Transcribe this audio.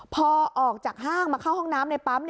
พอออกจากห้างมาเข้าห้องน้ำในปั๊ม